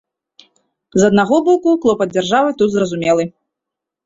З аднаго боку, клопат дзяржавы тут зразумелы.